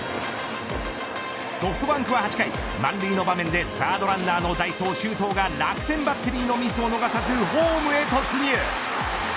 ソフトバンクは８回満塁の場面で、サードランナーの代走、周東が楽天バッテリーのミスを逃さずホームへ突入。